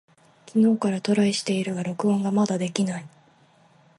昨日からトライしているが録音がまだできない。